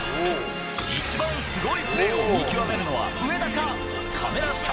一番すごいプレーを見極めるのは上田か？